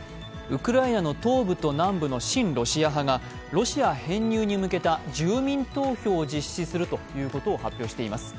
ウクライナの東部と南部の親ロシア派がロシア編入に向けた住民投票を実施するということを発表しています。